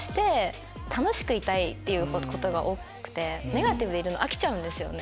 ネガティブでいるの飽きちゃうんですよね。